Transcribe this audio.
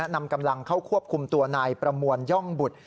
นำกำลังเข้าควบคุมตัวนายประมวลย่องบุตร